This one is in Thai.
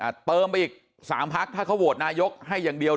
เติมไปอีกสามพักถ้าเขาโหวตนายกให้อย่างเดียว